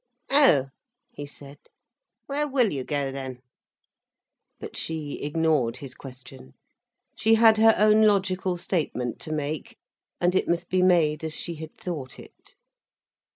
"Oh," he said, "where will you go then?" But she ignored his question. She had her own logical statement to make, and it must be made as she had thought it.